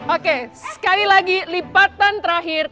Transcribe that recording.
oke sekali lagi lipatan terakhir